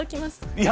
いや